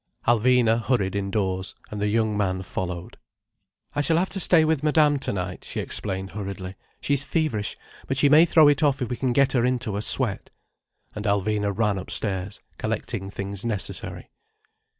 Alvina hurried indoors, and the young man followed. "I shall have to stay with Madame tonight," she explained hurriedly. "She's feverish, but she may throw it off if we can get her into a sweat." And Alvina ran upstairs collecting things necessary.